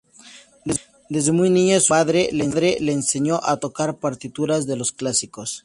Desde muy niña, su padre le enseñó a tocar partituras de los clásicos.